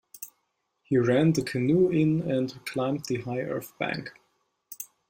They ran the canoe in and climbed the high earth bank.